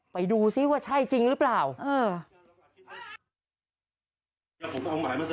ไปดูซิว่าใช่จริงหรือเปล่า